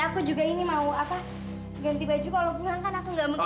ya aku juga ini mau apa ganti baju kalau pulang kan aku enggak mau